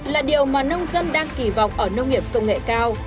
là điều mà nông dân đang kỳ vọng ở nông nghiệp công nghệ cao